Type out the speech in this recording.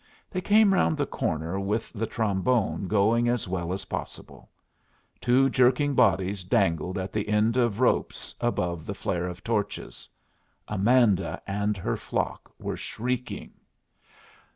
They came round the corner with the trombone going as well as possible. Two jerking bodies dangled at the end of ropes, above the flare of torches. Amanda and her flock were shrieking.